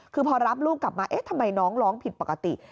คือพอรับลูกกลับมาเอ๊ะทำไมน้องร้องผิดปกติ